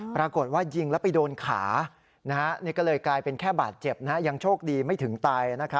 ปรากฏว่ายิงแล้วไปโดนขานี่ก็เลยกลายเป็นแค่บาดเจ็บยังโชคดีไม่ถึงตาย